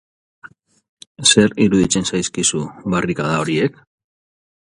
Zer iruditzen zaizkizu barrikada horiek?